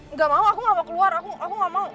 nggak mau aku nggak mau keluar aku nggak mau